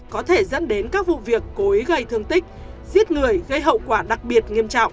có thể dẫn đến các vụ việc cố ý gây thương tích giết người gây hậu quả đặc biệt nghiêm trọng